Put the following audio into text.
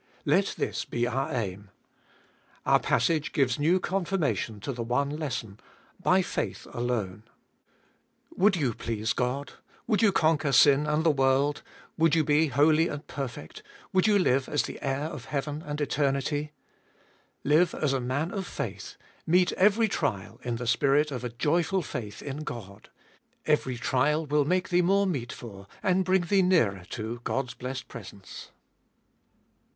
Let this be our aim. Our passage gives new com firmation to the one lesson : By faith alone ! Would you 472 abe Dolfest of ail please God, would you conquer sin and the world, would you be holy and perfect, would you live as the heir of heaven and eternity, — live as a man of faith, meet every trial in the spirit of a joyful faith in God ; every trial will make thee more meet for, and bring thee nearer to, God's blessed presence.